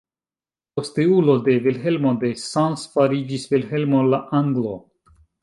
Posteulo de Vilhelmo de Sens fariĝis Vilhelmo la Anglo.